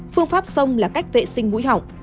phương pháp sông là cách vệ sinh mũi họng